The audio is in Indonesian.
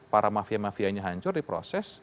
para mafia mafianya hancur di proses